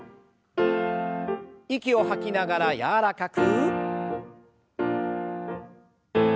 息を吐きながら柔らかく。